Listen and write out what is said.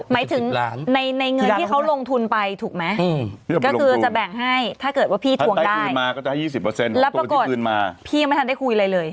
พี่ยังไม่ทันได้คุยอะไรเลย